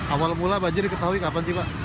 awal mula banjir diketahui kapan sih pak